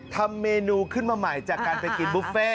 ทำเมนูขึ้นมาใหม่จากการไปกินบุฟเฟ่